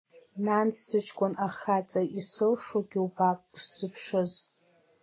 Нан сыҷкәын ахаҵа, исылшогьы убап, усзыԥшыз!